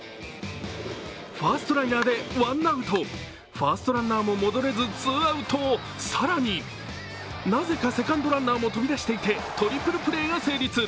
ファーストライナーでワンアウト、ファーストランナーも戻れず、ツーアウト、更に更に、なぜかセカンドライナーも飛び出していてトリプルプレーが成立。